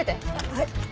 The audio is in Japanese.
はい。